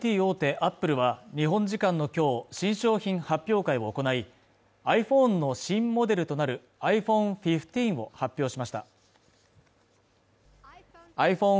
アップルは日本時間の今日新商品発表会を行いｉＰｈｏｎｅの新モデルとなるｉＰｈｏｎｅ１５を発表しましたｉＰｈｏｎｅ